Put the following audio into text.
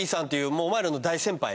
もうお前らの大先輩ね